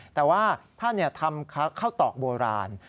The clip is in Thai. แต่ว่าท่านทำข้าวตอกโบราณ